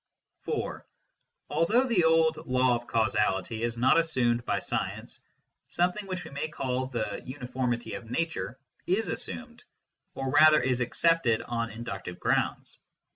(4) Although the old " law of causality " is not assumed by science, something which we may call the " uniformity of nature " is assumed, or rather is accepted on inductive grounds.